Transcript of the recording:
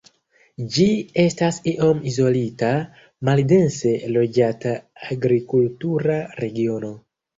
Ĝi estas iom izolita, maldense loĝata agrikultura regiono.